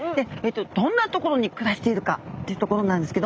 どんな所に暮らしているか？というところなんですけど。